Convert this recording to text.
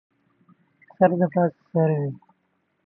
سر دې پاسه سر وي